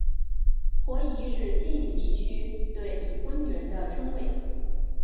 婆姨是晋语地区对已婚女人的称谓。